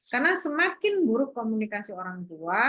karena semakin buruk komunikasi orang tua